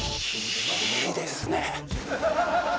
いいですね。